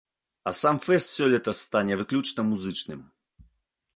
А сам фэст сёлета стане выключна музычным.